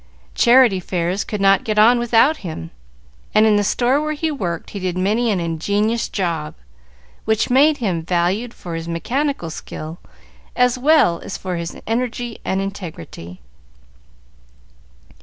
Charity fairs could not get on without him, and in the store where he worked he did many an ingenious job, which made him valued for his mechanical skill, as well as for his energy and integrity.